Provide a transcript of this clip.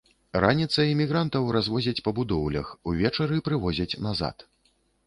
Раніцай мігрантаў развозяць па будоўлях, увечары прывозяць назад.